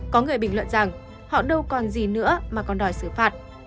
có người bình luận rằng họ đâu còn gì nữa mà còn đòi xử phạt